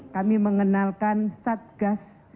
kami mengenalkan satgas